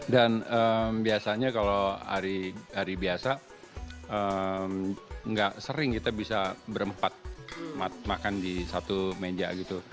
dan biasanya kalau hari hari biasa gak sering kita bisa berempat makan di satu meja gitu